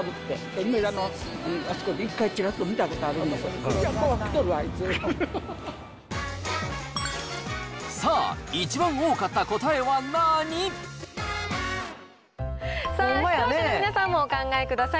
梅田のあそこで一回、ちらっと見たことある、いや、さあ、一番多かった答えは何さあ、視聴者の皆さんもお考えください。